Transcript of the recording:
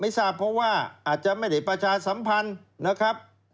ทราบเพราะว่าอาจจะไม่ได้ประชาสัมพันธ์นะครับ